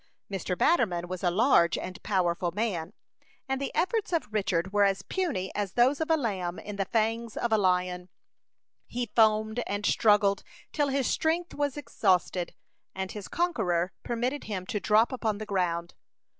Mr. Batterman was a large and powerful man, and the efforts of Richard were as puny as those of a lamb in the fangs of the lion. He foamed and struggled till his strength was exhausted, and his conqueror permitted him to drop upon the ground.